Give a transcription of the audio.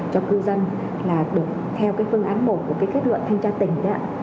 cho cư dân là được theo cái phương án một của cái kết luận thanh tra tỉnh